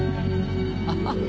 アハハハ！